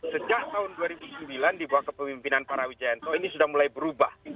sejak tahun dua ribu sembilan di bawah kepemimpinan para wijayanto ini sudah mulai berubah